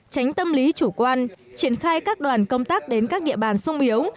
tránh tâm lý chủ quan triển khai các đoàn công tác đến các địa bàn sung yếu